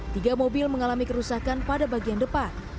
tiga mobil mengalami kerusakan pada bagian depan